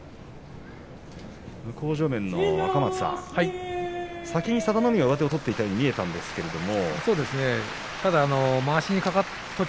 向正面の若松さん先に佐田の海が上手を取っていたように見えたんですけれども。